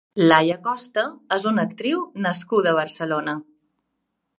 Laia Costa és una actriu nascuda a Barcelona.